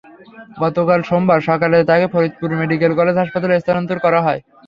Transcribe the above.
গতকাল সোমবার সকালে তাঁকে ফরিদপুর মেডিকেল কলেজ হাসপাতালে স্থানান্তর করা হয়।